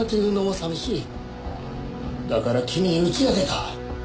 だから君に打ち明けた。